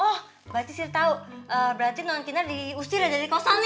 oh berarti siri tahu berarti noon kinar diusir dari kosongnya ya